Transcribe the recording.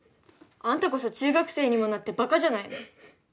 あんたこそ中学生にもなってバカじゃないの。